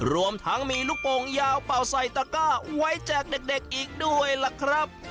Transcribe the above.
รวมทั้งมีลูกโป่งยาวเป่าใส่ตะก้าไว้แจกเด็กอีกด้วยล่ะครับ